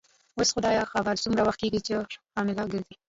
اوس خدای خبر څومره وخت کیږي چي حامله ګرځې.